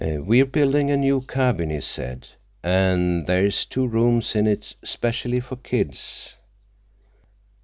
"We're building a new cabin," he said, "and there's two rooms in it specially for kids."